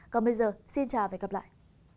còn bây giờ xin chào và hẹn gặp lại